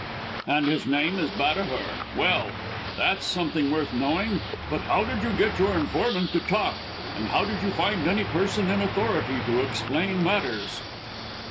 "And his name is Bahadur. Well, that's something worth knowing. But how did you get your informant to talk, and how did you find any person in authority to explain matters?"